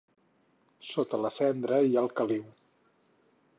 Sota la cendra hi ha el caliu.